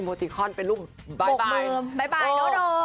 บ๊ายบายโด